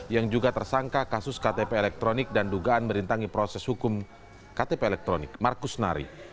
yang juga tersangka kasus ktp elektronik dan dugaan merintangi proses hukum ktp elektronik markus nari